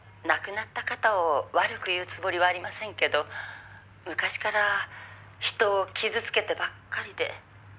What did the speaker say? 「亡くなった方を悪く言うつもりはありませんけど昔から人を傷つけてばっかりで」